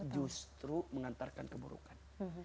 justru mengantarkan keburukan